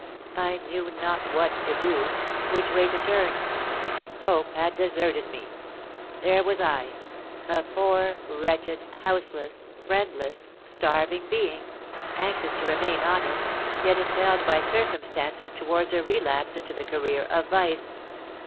I knew not what to do—which way to turn. Hope had deserted me. There was I, a poor—wretched—houseless—friendless—starving being, anxious to remain honest, yet impelled by circumstances towards a relapse into the career of vice.